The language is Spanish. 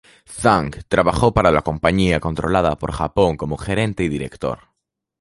Zhang trabajó para la compañía controlada por Japón como gerente y director.